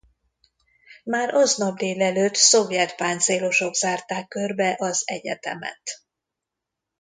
Már aznap délelőtt szovjet páncélosok zárták körbe az egyetemet.